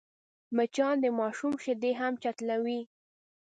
مچان د ماشوم شیدې هم چټلوي